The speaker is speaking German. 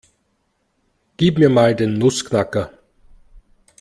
Gib mir mal den Nussknacker.